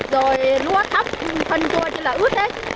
rồi lúa thóc thân chua chứ là ướt hết